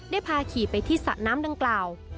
ได้พาขี่ไปที่สระน้ำดังกล่าว